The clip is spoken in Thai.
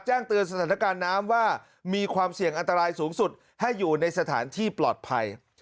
แจ้งเตือนสถานการณ์น้ำว่ามีความเสี่ยงอันตรายสูงสุดให้อยู่ในสถานที่ปลอดภัย